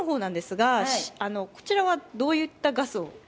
こちらはどういうガスを？